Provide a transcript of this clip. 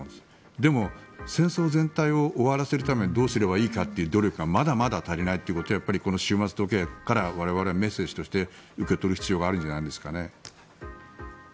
でも戦争全体を終わらせるためにどうすればいいかという努力がまだまだ足りないということを終末時計から我々はメッセージとして受け取る必要があるんじゃないですかね。